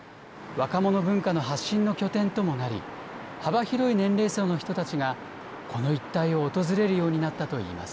若者文化の発信の拠点ともなり、幅広い年齢層の人たちが、この一帯を訪れるようになったといいます。